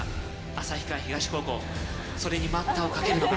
旭川東高校それに待ったをかけるのか？